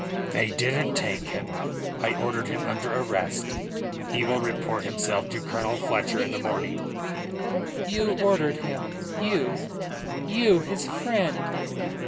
"They didn't take him. I ordered him under arrest. He will report himself to Colonel Fletcher in the morning." "You ordered him? You! You, his friend!"